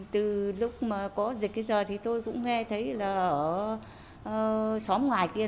từ lúc có dịch đến giờ tôi cũng nghe thấy ở xóm ngoài kia